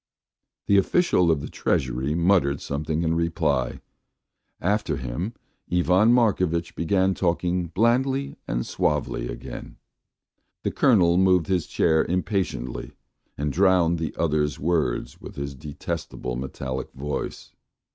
The official of the Treasury muttered something in reply; after him Ivan Markovitch began talking blandly and suavely again. The Colonel moved his chair impatiently and drowned the other's words with his detestable metallic voice.